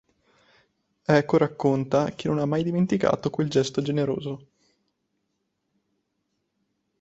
Eco racconta che non ha mai dimenticato quel gesto generoso.